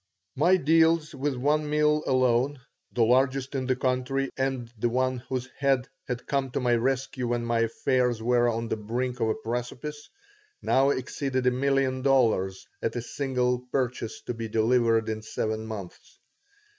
My deals with one mill alone the largest in the country and the one whose head had come to my rescue when my affairs were on the brink of a precipice now exceeded a million dollars at a single purchase to be delivered in seven months.